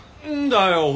何だよ！